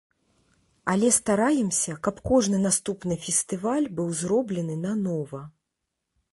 Але стараемся, каб кожны наступны фестываль быў зроблены нанова.